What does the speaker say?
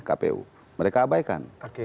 kpu mereka abaikan